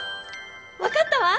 わかったわ！